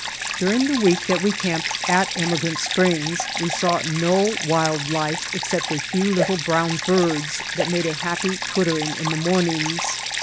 During the week that we camped at Emigrant Springs we saw no wild life except a few little brown birds that made a happy twittering in the mornings.